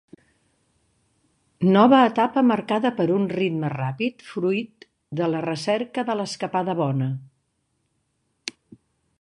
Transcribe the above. Nova etapa marcada per un ritme ràpid fruit de la recerca de l'escapada bona.